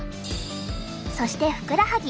そしてふくらはぎ。